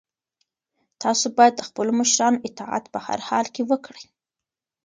تاسو باید د خپلو مشرانو اطاعت په هر حال کې وکړئ.